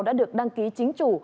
đã được đăng ký chính chủ